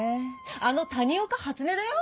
あの谷岡初音だよ？